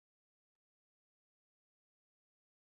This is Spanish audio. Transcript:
Este artículo se enfoca en dos de los hilos más importantes.